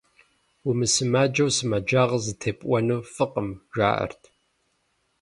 Умысымаджэу сымаджагъэ зытепӏуэну фӏыкъым, жаӏэрт.